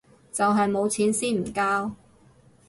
就係冇錢先唔交